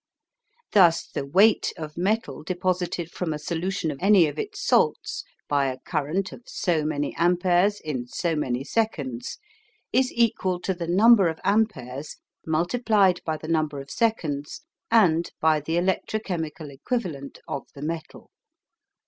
Thus the weight of metal deposited from a solution of any of its salts by a current of so many amperes in so many seconds is equal to the number of amperes multiplied by the number of seconds, and by the electrochemical equivalent of the metal.